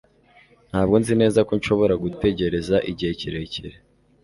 ntabwo nzi neza ko nshobora gutegereza igihe kirekire